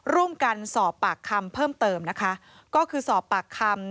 ร่วมกันสอบปากคำเพิ่มเติมนะคะก็คือสอบปากคำ